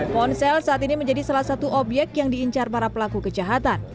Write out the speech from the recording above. ponsel saat ini menjadi salah satu obyek yang diincar para pelaku kejahatan